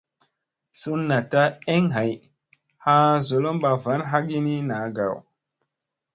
Sun naɗta eŋ hay haa zolomɓa van hagi ni naa gaw.